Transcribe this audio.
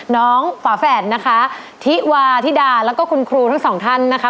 ฝาแฝดนะคะทิวาธิดาแล้วก็คุณครูทั้งสองท่านนะคะ